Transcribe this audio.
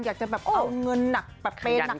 อยากจะแบบเอาเงินหนักแบบเปย์หนัก